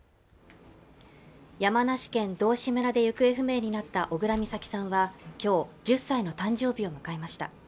山梨県道志村で行方不明になった小倉美咲さんは今日１０歳の誕生日を迎えました